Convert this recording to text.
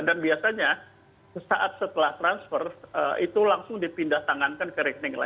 dan biasanya saat setelah transfer itu langsung dipindah tangankan ke rekening